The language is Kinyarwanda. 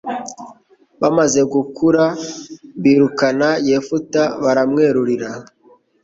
bamaze gukura birukana yefuta baramwerurira